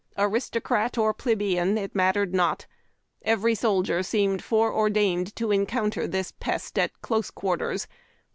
Aristocrat or plebeian it mattered not. Every soldier seemed foreor dained to encounter this pest at close quarters.